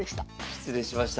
失礼しました。